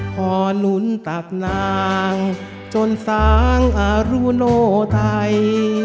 พอหนุนตักนางจนสร้างอารุโนไทย